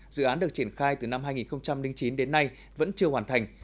dự án được triển khai từ năm hai nghìn chín đến nay vẫn chưa hoàn thành